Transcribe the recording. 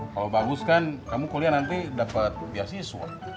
kalau bagus kan kamu kuliah nanti dapat pihak siswa